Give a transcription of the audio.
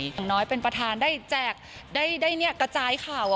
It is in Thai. อย่างน้อยเป็นประธานได้แจกได้กระจายข่าว